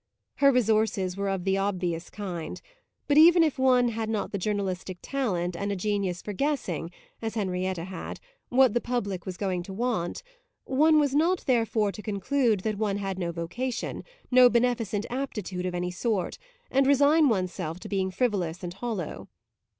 Her resources were of the obvious kind; but even if one had not the journalistic talent and a genius for guessing, as Henrietta said, what the public was going to want, one was not therefore to conclude that one had no vocation, no beneficent aptitude of any sort, and resign one's self to being frivolous and hollow.